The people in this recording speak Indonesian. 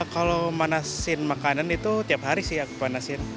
kalau manaskan makanan itu tiap hari sih aku panaskan